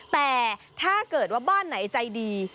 แต่ถ้าเกิดว่าบ้านไหนใจดี